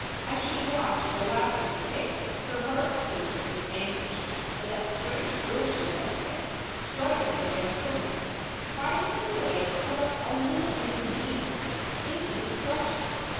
As she watched the last of the takes her heart surged with anguish for that strange girl she was there, struggling against the wind, fighting her way out of a little inconvenience into destruction.